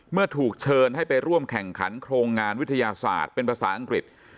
เมื่อถูกเชิญให้ไปร่วมแข่งขันโครงงานวิทยาศาสตร์เป็นภาษาอังกฤษ